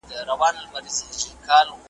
له بد حکومته سرغړونه په ځینو حالاتو کي واجب ده.